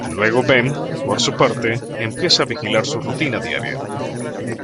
Luego Ben, por su parte, empieza a vigilar su rutina diaria.